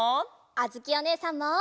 あづきおねえさんも。